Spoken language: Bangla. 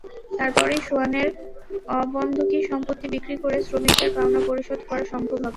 তারপরই সোয়ানের অবন্ধকী সম্পত্তি বিক্রি করে শ্রমিকদের পাওনা পরিশোধ করা সম্ভব হবে।